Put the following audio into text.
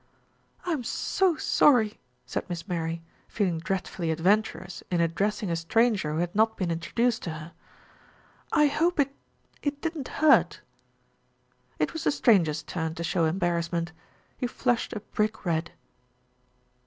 "I'm so sorry," said Miss Mary, feeling dreadfully adventurous in addressing a stranger who had not been introduced to her. "I hope it it didn't hurt." It was the stranger's turn to show embarrassment. He flushed a brick red.